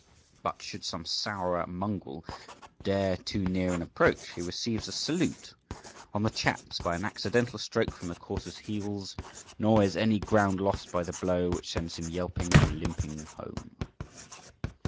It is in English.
But should some sourer mongrel dare too near an approach, he receives a salute on the chaps by an accidental stroke from the courser's heels, nor is any ground lost by the blow, which sends him yelping and limping home.